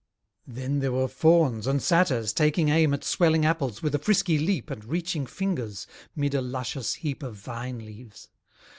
Then there were fauns and satyrs taking aim At swelling apples with a frisky leap And reaching fingers, 'mid a luscious heap Of vine leaves.